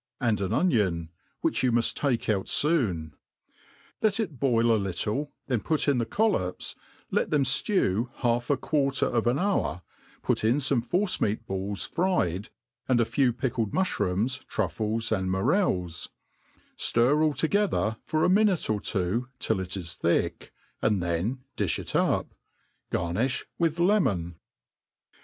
59 ind an onion, which you muft take out loon; let it boil a litde, then put in the coilops, let them ftew half a quarter of an hour, put in fome force meat balls fried, and a few pickled mu(hrooms,< truffles and moaeh ; ftir all together, for a minute or two till it is thick ; and then di(h it up. Garnifli with lemon.